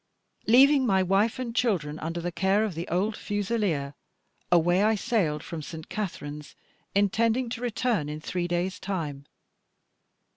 Leaving my wife and children under the care of the old fusileer, away I sailed from St. Katharine's, intending to return in three days' time.